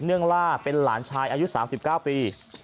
งล่าเป็นหลานชายอายุ๓๙ปี